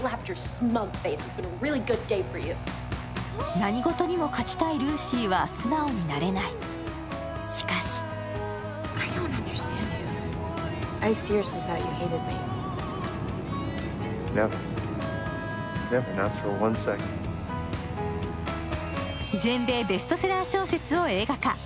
何事にも勝ちたいルーシーは素直になれない、しかし全米ベストセラー小説を映画化。